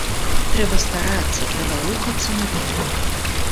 Трэба старацца, трэба рухацца наперад.